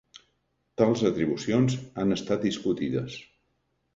Tals atribucions han estat discutides.